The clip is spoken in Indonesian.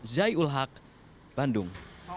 zai ul haq bandung